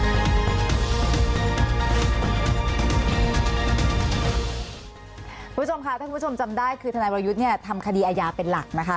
คุณผู้ชมค่ะถ้าคุณผู้ชมจำได้คือทนายวรยุทธ์เนี่ยทำคดีอาญาเป็นหลักนะคะ